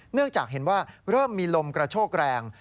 เนื่องจากเห็นว่าเริ่มมีลมกระโชกแรง